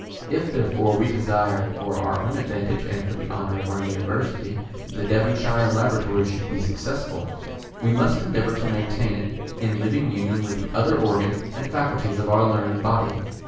If therefore we desire, for our own advantage and for the honour of our University, that the Devonshire Laboratory should be successful, we must endeavour to maintain it in living union with the other organs and faculties of our learned body.